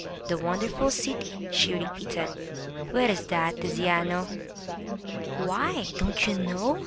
"The wonderful city?" she repeated. "Where is that, Tiziano?" "Why, don't you know?"